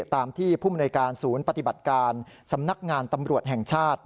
ตามที่ผู้มนุยการศูนย์ปฏิบัติการสำนักงานตำรวจแห่งชาติ